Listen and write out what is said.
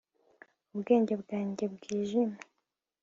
ubwenge bwanjye bwijimye